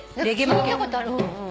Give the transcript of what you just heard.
聞いたことある。